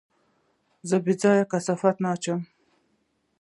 زه بېځايه کثافات نه اچوم.